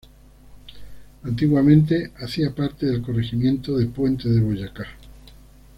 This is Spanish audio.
Antiguamente hacía parte del corregimiento de Puente de Boyacá.